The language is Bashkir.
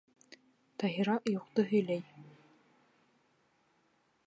Таһира юҡты һөйләй.